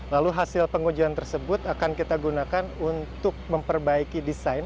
lalu hasil pengujian tersebut akan kita gunakan untuk memperbaiki desain